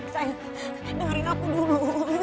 sayang dengerin aku dulu